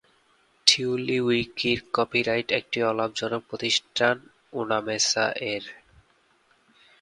Tiddly উইকির copyright একটি অলাভজনক প্রতিষ্ঠান উনামেসা-এর।